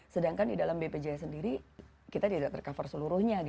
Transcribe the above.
sedangkan di dalam bpjs sendiri kita tidak tercover seluruhnya